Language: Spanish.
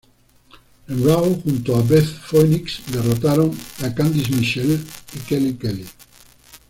En Raw junto a Beth Phoenix derrotaron a Candice Michelle y Kelly Kelly.